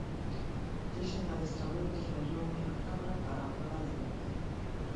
Fixen adestramentos máis longos na cabra para a proba de Niza.